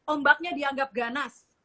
ombaknya dianggap ganas